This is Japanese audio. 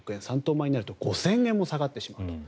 米になると５０００円も下がってしまうと。